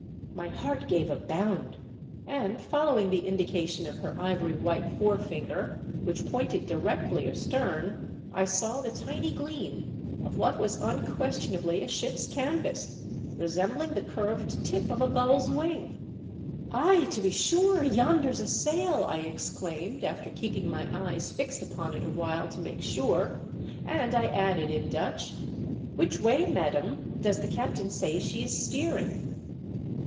My heart gave a bound, and following the indication of her ivory white forefinger, which pointed directly astern, I saw the tiny gleam of what was unquestionably a ship's canvas, resembling the curved tip of a gull's wing. "Ay, to be sure, yonder's a sail!" I ex claimed, after keeping my eyes fixed upon it a while to make sure, and I added in Dutch, " Which way, madam, does the captain say she is steering